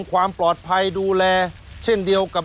ความปลอดภัยดูแลเช่นเดียวกับ